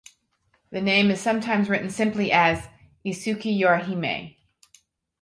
The name is sometimes written simply as "Isukiyorihime".